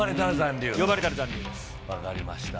分かりました。